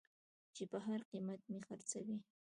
چې په هر قېمت مې خرڅوې.